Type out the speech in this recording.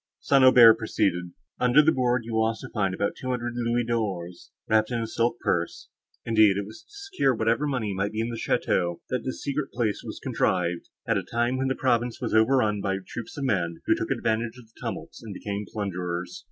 St. Aubert proceeded. "Under that board you will also find about two hundred louis d'ors, wrapped in a silk purse; indeed, it was to secure whatever money might be in the château, that this secret place was contrived, at a time when the province was over run by troops of men, who took advantage of the tumults, and became plunderers.